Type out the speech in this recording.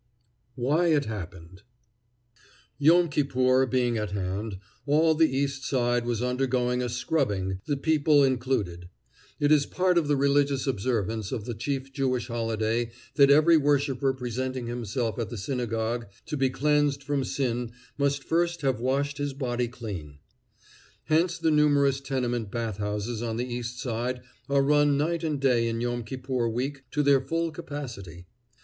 WHY IT HAPPENED Yom Kippur being at hand, all the East Side was undergoing a scrubbing, the people included. It is part of the religious observance of the chief Jewish holiday that every worshiper presenting himself at the synagogue to be cleansed from sin must first have washed his body clean. Hence the numerous tenement bath houses on the East Side are run night and day in Yom Kippur week to their full capacity.